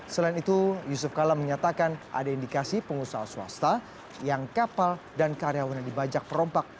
selain itu yusuf kala menyatakan ada indikasi pengusaha swasta yang kapal dan karyawannya dibajak perompak